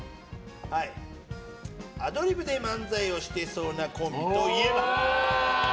アドリブで漫才をしてそうなコンビといえば？